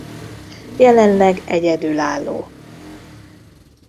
Jelenleg egyedülálló.